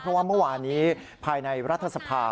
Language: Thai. เพราะว่าเมื่อวานี้ภายในรัฐสภา